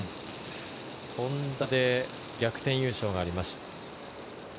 ホンダで逆転優勝がありました。